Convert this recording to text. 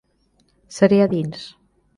Seré a dins.